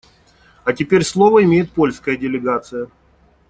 А теперь слово имеет польская делегация.